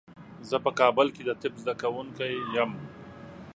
زه په کابل کې د طب زده کوونکی یم.